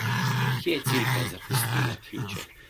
Kje je Cilka zapustila ključe?